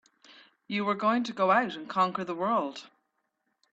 You were going to go out and conquer the world!